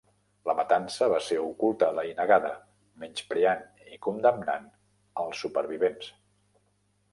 La matança va ser ocultada i negada, menyspreant i condemnant als supervivents.